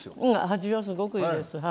味はすごくいいです。